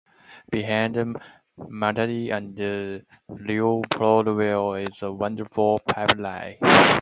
Between Matadi and Leopoldville is a wonderful pipeline.